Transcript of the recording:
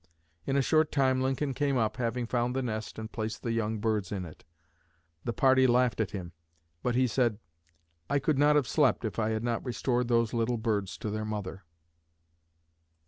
In a short time Lincoln came up, having found the nest and placed the young birds in it. The party laughed at him; but he said, 'I could not have slept if I had not restored those little birds to their mother.'"